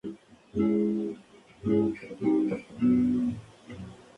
La mujer va lujosamente vestida y tiene modales de clase alta.